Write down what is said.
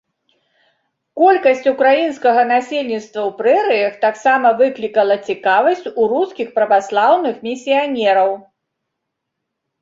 Колькасць украінскага насельніцтва ў прэрыях таксама выклікала цікавасць у рускіх праваслаўных місіянераў.